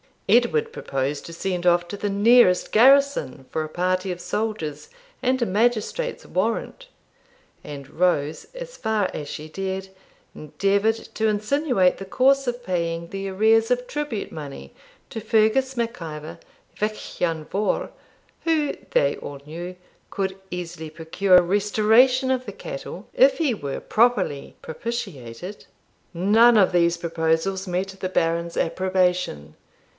Edward proposed to send off to the nearest garrison for a party of soldiers and a magistrate's warrant; and Rose, as far as she dared, endeavoured to insinuate the course of paying the arrears of tribute money to Fergus Mac Ivor Vich Ian Vohr, who, they all knew, could easily procure restoration of the cattle, if he were properly propitiated. None of these proposals met the Baron's approbation.